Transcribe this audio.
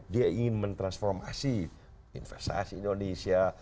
dia ingin mentransformasi investasi indonesia